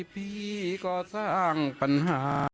พี่ก็สร้างปัญหา